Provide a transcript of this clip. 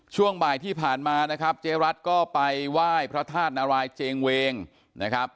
ช่วงบ่ายที่ผ่านมานะครับเจ๊รัฐก็ไปไหว้พระธาตุนารายเจงเวงนะครับ